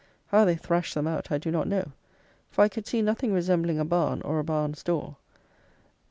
How they thrash them out I do not know, for I could see nothing resembling a barn or a barn's door.